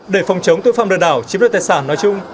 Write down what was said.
để phòng chống tội phạm lừa đảo chiếm đoạt tài sản nói chung